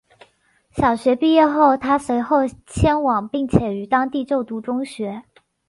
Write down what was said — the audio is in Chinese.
小学毕业后她随后迁往并且于当地就读中学。